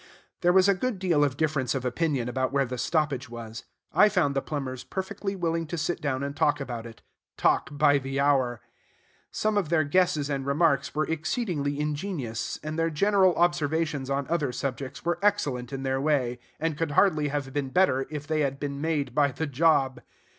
There was a good deal of difference of opinion about where the stoppage was. I found the plumbers perfectly willing to sit down and talk about it, talk by the hour. Some of their guesses and remarks were exceedingly ingenious; and their general observations on other subjects were excellent in their way, and could hardly have been better if they had been made by the job.